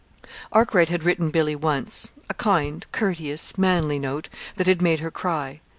Arkwright had written Billy once a kind, courteous, manly note that had made her cry.